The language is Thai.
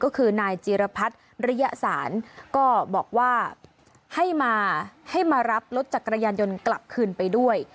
ก็คือนายจีรพัฒน์ระยะสารก็บอกว่าให้มาให้มารับรถจักรยานยนต์กลับคืนไปด้วย